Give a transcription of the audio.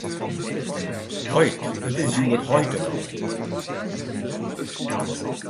Heit! It is hjoed heitedei.